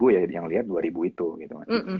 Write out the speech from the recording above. dua ribu ya yang liat dua ribu itu gitu